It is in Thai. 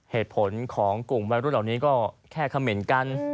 เหตุผลของกลุ่มวัยรุ่นเหล่านี้ก็แค่คำเหม็นกัน